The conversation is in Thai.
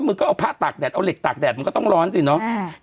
มันก็เอาพระตากแดดเอาเหล็กตากแดดมันก็ต้องร้อนสิเนาะ